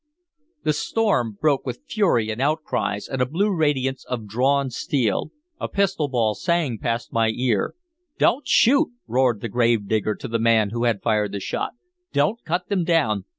The storm broke with fury and outcries, and a blue radiance of drawn steel. A pistol ball sang past my ear. "Don't shoot!" roared the gravedigger to the man who had fired the shot. "Don't cut them down!